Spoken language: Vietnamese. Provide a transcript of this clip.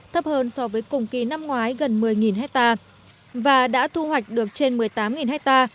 thấp hơn so với cùng kỳ năm ngoái gần một mươi hectare và đã thu hoạch được trên một mươi tám ha